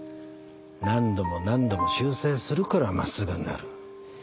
何度も何度も修正するからまっすぐになる。